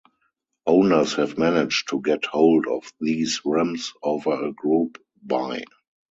Owners have managed to get hold of these rims over a group buy.